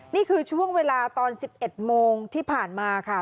นี่คือช่วงเวลาตอน๑๑โมงที่ผ่านมาค่ะ